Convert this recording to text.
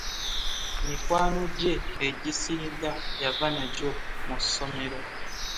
Mikwano gye egisinga yava nagyo mu ssomero.